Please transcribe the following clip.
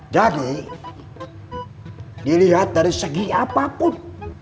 jadi dilihat dari segi apapun